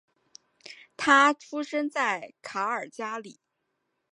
他出生在卡尔加里。